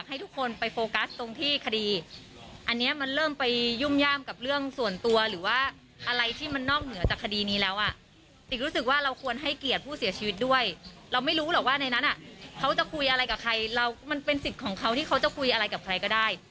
มันเป็นสิทธิ์ของเขาที่เขาจะคุยอะไรกับใครก็ได้